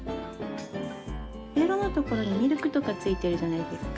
ベロの所にミルクとか付いてるじゃないですか。